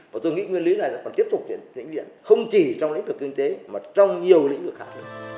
và tôi nghĩ nguyên lý này phải tiếp tục diễn diện không chỉ trong lĩnh vực kinh tế mà trong nhiều lĩnh vực khác